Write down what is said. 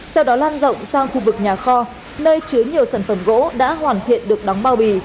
sau đó lan rộng sang khu vực nhà kho nơi chứa nhiều sản phẩm gỗ đã hoàn thiện được đóng bao bì